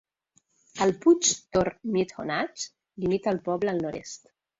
El puig Torr Meadhonach limita el poble al nord-est.